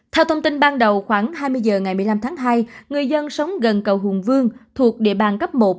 theo thông tin ban đầu khoảng hai mươi h ngày một mươi năm tháng hai người dân sống gần cầu hùng vương thuộc địa bàn cấp một